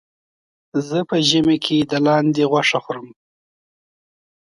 زه په ژمي کې د لاندې غوښه خورم.